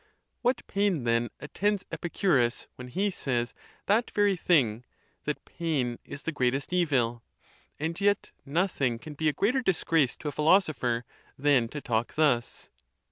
What pain, then, attends Epicurus, when he says that very thing, that pain is the greatest evil! And yet nothing can be a greater disgrace to a phi losopher than to talk thus.